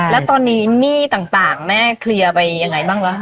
แล้วตอนนี้หนี้ต่างแม่เคลียร์ไปยังไงบ้างแล้วค่ะ